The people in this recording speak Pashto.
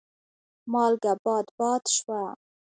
مالګه باد باد شوه.